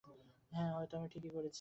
হ্যাঁ, হয়তো আমি ঠিকই করেছি।